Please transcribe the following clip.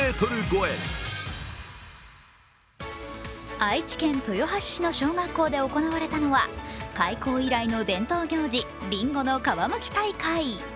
愛知県豊橋市の小学校で行われたのは開校以来の伝統行事、りんごの皮むき大会。